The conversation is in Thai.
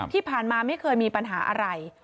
ที่ผ่านมาไม่เคยมีปัญหาอะไร